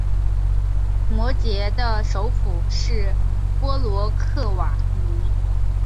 摩羯的首府是波罗克瓦尼。